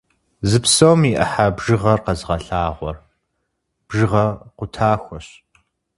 Зы псом и ӏыхьэ бжыгъэр къэзыгъэлъагъуэр бжыгъэ къутахуэщ.